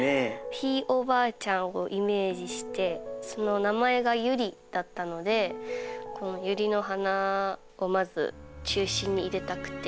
ひいおばあちゃんをイメージしてその名前がユリだったのでこのユリの花をまず中心に入れたくて。